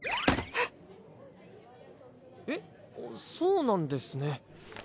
あっそうなんですね。